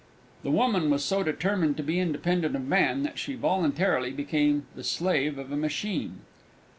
The Woman was so determined to be independent of Man that she voluntarily became the slave of a Machine.